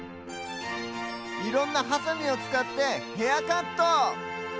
いろんなハサミをつかってヘアカット！